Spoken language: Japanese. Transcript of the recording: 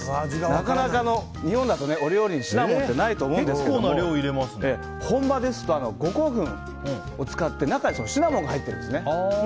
なかなか日本だとお料理にシナモンはないと思いますが本場ですとゴコウフンを使って中にシナモンが入っているんですね。